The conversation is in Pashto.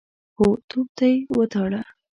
هو، توپ ته يې وتاړه.